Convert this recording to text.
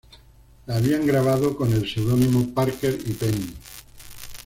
La habían grabado con el seudónimo "Parker y Penny".